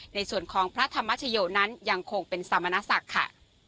ในส่วนของพระธรรมชโยนั้นยังคงเป็นสมณศักดิ์ค่ะ